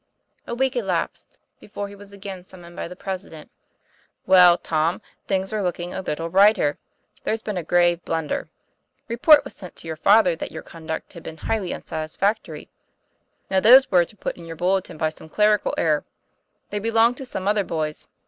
A week elapsed before he was again summoned by the President. "Well, Tom, things are looking a little brighter. There's been a grave blunder. Report was sent to your father that your conduct had been 'highly unsat isfactory. ' Now those words were put in your bul letin by some clerical error. They belonged to some other boy's.